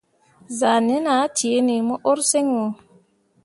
Zahnen ah ceeni mo urseŋ wo.